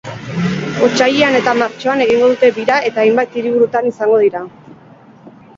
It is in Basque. Otsailean eta martxoan egingo dute bira eta hainbat hiriburutan izango dira.